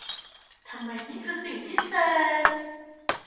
ทำไมนี่คือสิ่งพิเศษ!